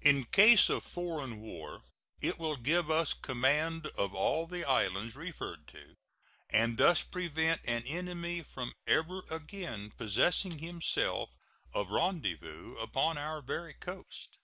In case of foreign war it will give us command of all the islands referred to, and thus prevent an enemy from ever again possessing himself of rendezvous upon our very coast.